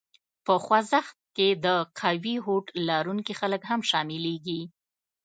په خوځښت کې د قوي هوډ لرونکي خلک هم شامليږي.